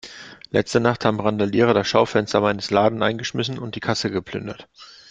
Letzte Nacht haben Randalierer das Schaufenster meines Ladens eingeschmissen und die Kasse geplündert.